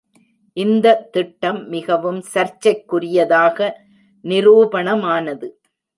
இந்த திட்டம் மிகவும் சர்ச்சைக்குரியதாக நிரூபணமானது.